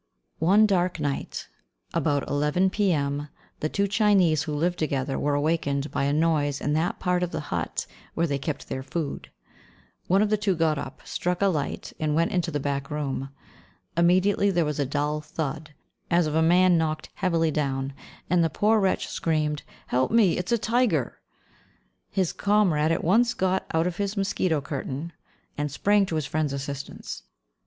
One dark night, about 11 P.M., the two Chinese who lived together were awakened by a noise in that part of the hut where they kept their food. One of the two got up, struck a light, and went into the back room. Immediately there was a dull thud, as of a man knocked heavily down, and the poor wretch screamed, "Help me, it is a tiger!" His comrade at once got out of his mosquito curtain, and sprang to his friend's assistance.